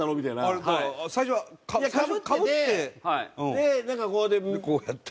でなんかこうやって。